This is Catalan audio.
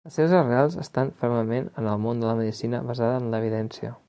Les seves arrels estan fermament en el món de la medicina basada en l'evidència.